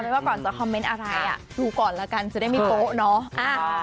ว่าก่อนจะคอมเมนต์อะไรดูก่อนแล้วกันจะได้ไม่โป๊ะเนาะ